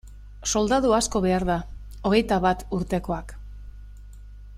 Soldadu asko behar da, hogeita bat urtekoak.